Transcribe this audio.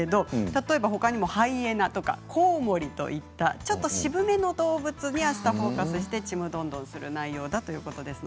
例えばほかにもハイエナやコウモリといったちょっと渋めの動物にフォーカスしてちむどんどんする内容だということです。